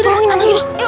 aduh sakit aduh